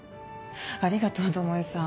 ありがとう巴さん。